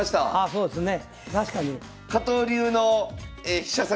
そうですね。